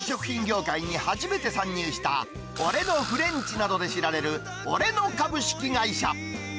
去年、冷凍食品業界に初めて参入した、俺のフレンチなどで知られる、俺の株式会社。